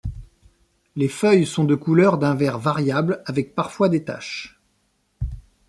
Les feuilles sont de couleur d'un vert variable, avec parfois des taches.